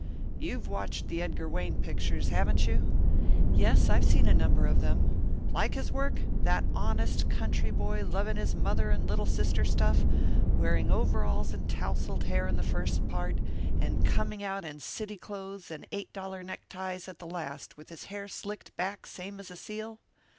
"You've watched the Edgar Wayne pictures, haven't you?" "Yes, I've seen a number of them." "Like his work? that honest country boy loving his mother and little sister stuff, wearing overalls and tousled hair in the first part, and coming out in city clothes and eight dollar neckties at the last, with his hair slicked back same as a seal?"